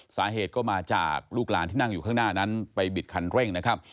สาเหตุก็มาจากลูกหลานที่นั่งอยู่ข้างหน้านั้นไปบิดคันเร่งนะครับ